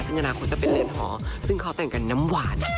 ซึ่งอนาคตจะเป็นเรือนหอซึ่งเขาแต่งกันน้ำหวาน